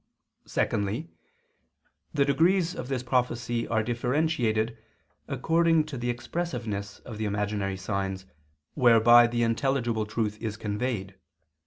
Secondly the degrees of this prophecy are differentiated according to the expressiveness of the imaginary signs whereby the intelligible truth is conveyed.